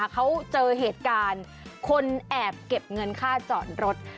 เขาเจอเหตุการณ์คนแอบเก็บเงินค่าจอดรถ